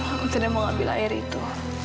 aku tidak mau ambil air itu